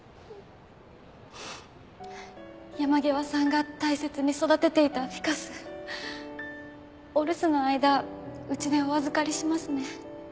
山際さんが大切に育てていたフィカスお留守の間うちでお預かりしますね。